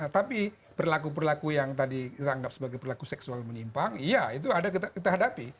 tapi perilaku perilaku yang tadi kita anggap sebagai perlaku seksual menyimpang iya itu ada kita hadapi